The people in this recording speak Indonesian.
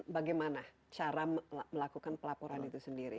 bagaimana cara melakukan pelaporan itu sendiri